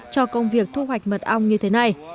cho công việc thu hoạch mật ong như thế này